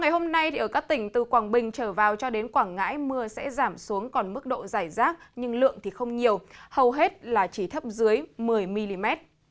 hôm nay ở các tỉnh từ quảng bình trở vào cho đến quảng ngãi mưa sẽ giảm xuống còn mức độ giải rác nhưng lượng không nhiều hầu hết là chỉ thấp dưới một mươi mm